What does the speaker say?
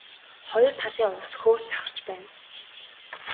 Хоёр талын ус хөөс сахарч байна.